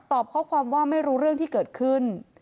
ข้อความว่าไม่รู้เรื่องที่เกิดขึ้น